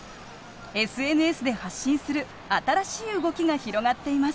ＳＮＳで発信する新しい動きが広がっています。